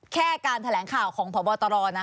แค่การแถลงข่าวของพบตร